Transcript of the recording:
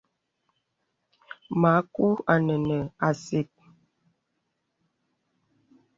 Mǎku ā nə̀ nə̀ àsìl.